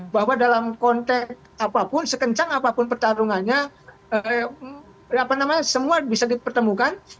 bahwa dalam konteks apapun sekencang apapun pertarungannya semua bisa dipertemukan